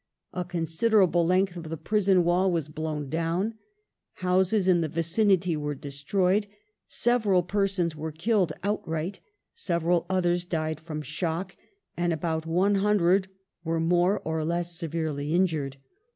A considerable length of the prison wall was blown down ; houses in the vicinity were destroyed ; several pei*sons were killed outright ; several others died from shock, and about one hundred were more or less severely injured.